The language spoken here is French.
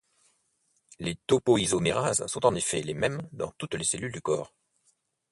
Les topoisomérases sont en effet les mêmes dans toutes les cellules du corps.